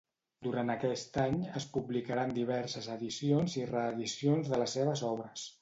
Durant aquest any, es publicaran diverses edicions i reedicions de les seves obres.